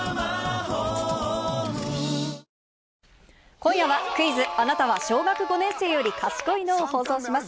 今夜は、クイズあなたは小学５年生より賢いの？を放送します。